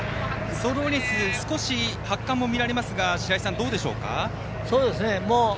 ソールオリエンス、少し発汗も見られますが白井さん、どうでしょうか？